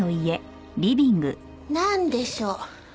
なんでしょう？